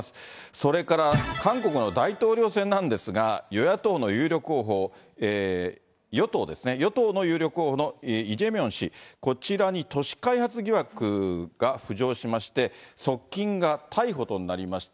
それから韓国の大統領選なんですが、与野党の有力候補、与党ですね、与党の有力候補のイ・ジェミョン氏、こちらに都市開発疑惑が浮上しまして、側近が逮捕となりました。